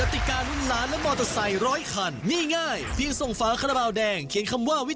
ติดตามที่ปรากฏส่งได้แล้วตั้งแต่วันนี้